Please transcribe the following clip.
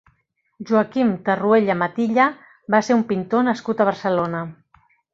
Joaquim Terruella Matilla va ser un pintor nascut a Barcelona.